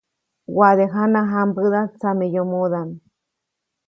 Waʼade jana jãmbäda tsameyomodaʼm.